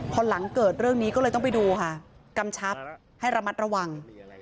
พอหลังเกิดเรื่องนี้ก็เลยต้องไปดูค่ะกำชับให้ระมัดระวัง